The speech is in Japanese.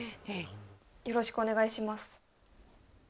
よろしくお願いします